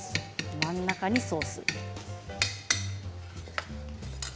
真ん中にソース。